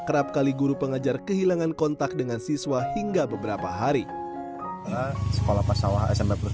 kerap kali guru pengajar kehilangan kontak dengan siswa hingga beberapa hari sekolah pasawah sma plus